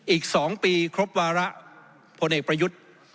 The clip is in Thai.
อีก๒ปีครบวาระพลเอกประยุทธ์